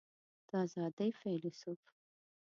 د آزادۍ فیلیسوف